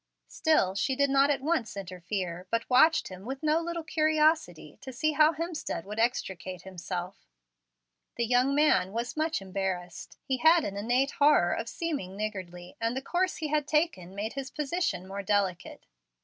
Still she did not at once interfere, but watched with no little curiosity, to see how Hemstead would extricate himself. The young man was much embarrassed. He had an innate horror of seeming niggardly, and the course he had taken made his position more delicate.